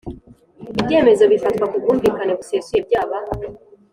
Ibyemezo bifatwa ku bwumvikane busesuye byaba